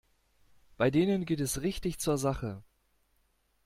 Bei denen geht es richtig zur Sache.